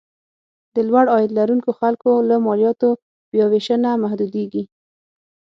د لوړ عاید لرونکو خلکو له مالیاتو بیاوېشنه محدودېږي.